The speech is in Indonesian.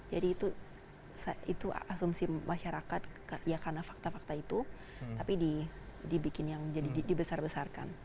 jadi itu asumsi masyarakat ya karena fakta fakta itu tapi dibikin yang jadi dibesar besarkan